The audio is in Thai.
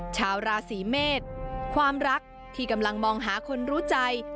ชาวราศีเมษความรักที่กำลังมองหาคนรู้ใจ